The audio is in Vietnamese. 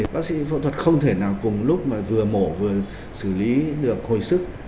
bác sĩ phẫu thuật không thể nào cùng lúc mà vừa mổ vừa xử lý được hồi sức